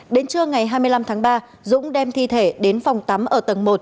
đến trưa ngày hai mươi năm tháng ba dũng đem thi thể đến phòng tắm ở tầng một